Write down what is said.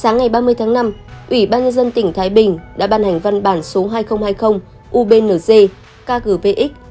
nhân dân tp thái bình đã ban hành văn bản số hai nghìn hai mươi ubnz kgvx